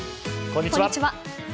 こんにちは。